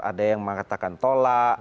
ada yang mengatakan tolak